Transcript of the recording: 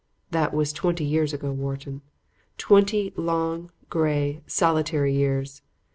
"That was twenty years ago, Wharton; twenty long, gray, solitary years.